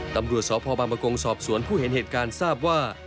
ตำรวจสพบางประกงสอบสวนผู้เห็นเหตุการณ์ทราบว่า